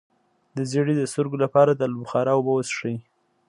د زیړي د سترګو لپاره د الو بخارا اوبه وڅښئ